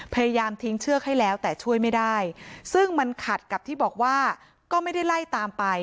พยายามทิ้งเชือกให้แล้วแต่ช่วยไม่ได้ซึ่งมันขัดกับที่บอกว่าก็ไม่ได้ไล่ตามไป